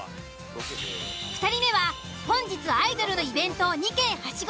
２人目は本日アイドルのイベントを２件ハシゴ